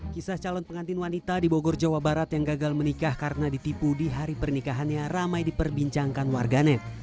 kisah calon pengantin wanita di bogor jawa barat yang gagal menikah karena ditipu di hari pernikahannya ramai diperbincangkan warganet